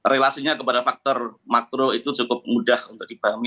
relasinya kepada faktor makro itu cukup mudah untuk dipahami